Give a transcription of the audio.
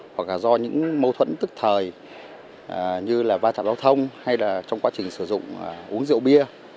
hoặc là do những mâu thuẫn tức thời như là va chạm giao thông hay là trong quá trình sử dụng uống rượu bia